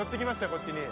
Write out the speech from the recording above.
こっちに。